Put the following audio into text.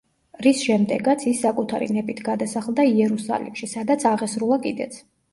რის შემდეგაც ის საკუთარი ნებით გადასახლდა იერუსალიმში, სადაც აღესრულა კიდეც.